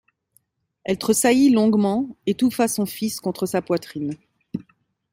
Elle tressaillit longuement, étouffa son fils contre sa poitrine.